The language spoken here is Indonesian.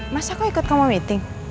masa kok ikut kamu meeting